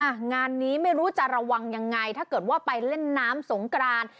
งานนี้ไม่รู้จะระวังยังไงถ้าเกิดว่าไปเล่นน้ำสงกราน